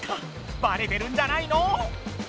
バレてるんじゃないの？